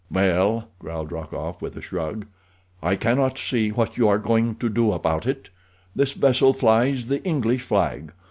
"Well," growled Rokoff, with a shrug, "I cannot see what you are going to do about it. This vessel flies the English flag.